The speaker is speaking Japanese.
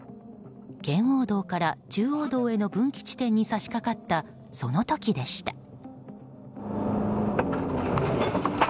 圏央道から中央道の分岐地点にさしかかった、その時でした。